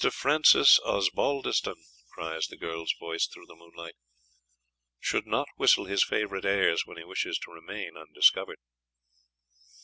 "Mr. Francis Osbaldistone," cries the girl's voice through the moonlight, "should not whistle his favourite airs when he wishes to remain undiscovered."